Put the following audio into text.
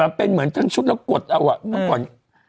ไม่เป็นเหมือนทั้งชุดแล้วกดค่อย